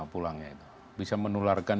pulangnya itu bisa menularkan